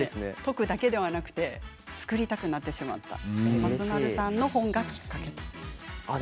解くだけではなくて作りたくなってしまった松丸さんの本がきっかけと。